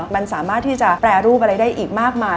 มันสามารถที่จะแปรรูปอะไรได้อีกมากมาย